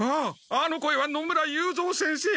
あの声は野村雄三先生！